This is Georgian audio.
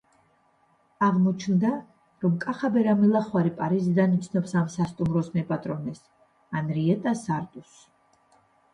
აღმოჩნდება, რომ კახაბერ ამილახვარი პარიზიდან იცნობს ამ სასტუმროს მეპატრონეს, ანრიეტა სარდუს.